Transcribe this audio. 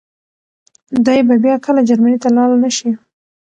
دی به بيا کله جرمني ته لاړ نه شي.